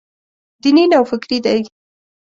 دیني نوفکري دی.